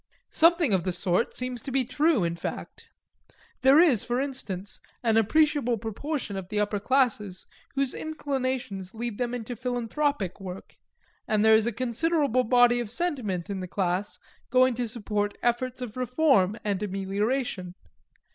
Something of the sort seems to be true in fact. There is, for instance, an appreciable proportion of the upper classes whose inclinations lead them into philanthropic work, and there is a considerable body of sentiment in the class going to support efforts of reform and amelioration.